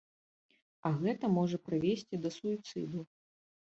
А гэта можа прывесці да суіцыду.